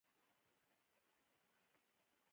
دوهمه برخه یې حتما دیارلس سېلابه وي.